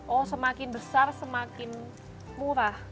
oh semakin besar semakin murah